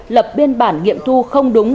lập biên bản nghiệm thu không đúng